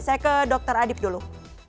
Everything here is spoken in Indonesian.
saya ke dr adib dulu